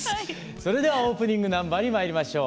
それではオープニングナンバーにまいりましょう。